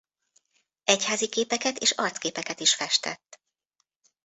Egyházi képeket és arcképeket is festett.